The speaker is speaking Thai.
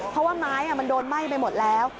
เพราะว่าไม้มันโดนไหม้ไปหมดแล้ว